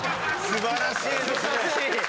素晴らしいです。